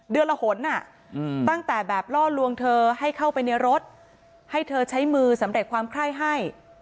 ละหนตั้งแต่แบบล่อลวงเธอให้เข้าไปในรถให้เธอใช้มือสำเร็จความไข้ให้